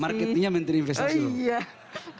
marketingnya menteri investasi dulu